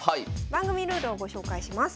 番組ルールをご紹介します。